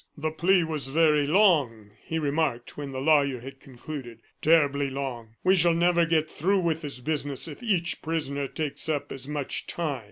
"The plea was very long," he remarked, when the lawyer had concluded, "terribly long. We shall never get through with this business if each prisoner takes up as much time!"